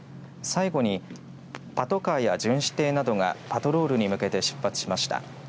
最後にパトカーや巡視艇などがパトロールに向けて出発しました。